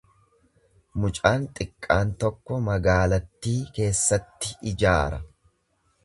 Mucaan xiqqaan tokko magaalattii keessatti ijaara.